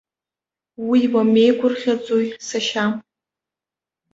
Уи уамеигәырӷьаӡои, сашьа?